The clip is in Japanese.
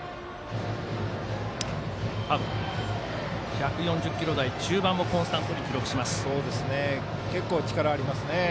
１４０キロ台中盤もコンスタントに結構、力ありますね。